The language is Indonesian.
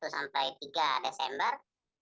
satu sampai tiga desember